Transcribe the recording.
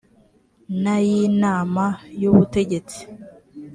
n ay inama y ubutegetsi